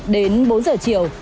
đến bốn giờ chiều